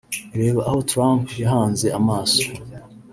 Reba aho Trump yahanze amaso